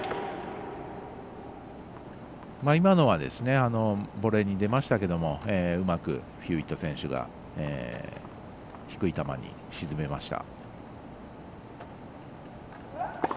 今のはボレーに出ましたけどもうまくヒューウェット選手が低い球に沈めました。